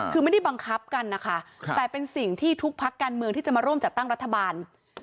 คือไม่ได้บังคับกันนะคะแต่เป็นสิ่งที่ทุกพักการเมืองที่จะมาร่วมจัดตั้งรัฐบาล